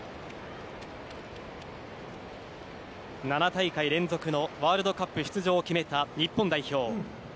７大会連続のワールドカップ出場を決めた日本代表。